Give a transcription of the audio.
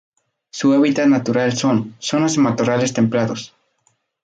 Su hábitat natural son: zonas de matorrales templados.